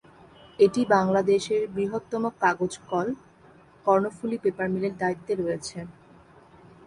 এটি বাংলাদেশের বৃহত্তম কাগজ কল কর্ণফুলী পেপার মিলের দায়িত্বে রয়েছে।